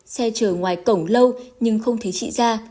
xe chờ ngoài cổng lâu nhưng không thấy chị ra